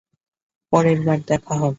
পরেরবার দেখা হবে।